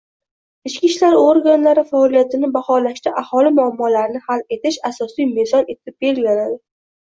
Ichki ishlar organlari faoliyatini baholashda aholi muammolarini hal etish asosiy mezon etib belgilanadi.